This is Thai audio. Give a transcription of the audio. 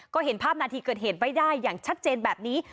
ก็เห็นภาพนาทีเกิดเหตุไว้ได้อย่างชัดเจนแบบนี้